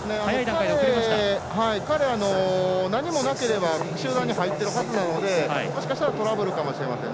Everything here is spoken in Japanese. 彼、何もなければ集団に入っているはずなので、もしかしたらトラブルかもしれませんね。